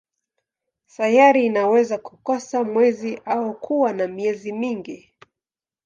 Sayari inaweza kukosa mwezi au kuwa na miezi mingi.